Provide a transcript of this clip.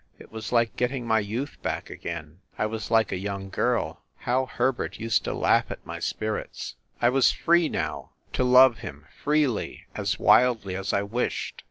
It was like getting my youth back again. I was like a young girl. How Herbert used to laugh at my spirits! I was free, now, to love him freely, as wildly as I wished.